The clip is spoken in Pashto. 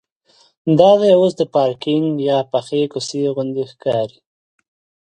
دا ځای اوس د پارکینک یا پخې کوڅې غوندې ښکاري.